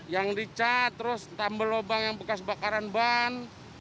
yang dicat terus tambah lubang yang bekas bakaran ban